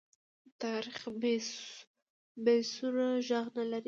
تاریخ بې سرو ږغ نه لري.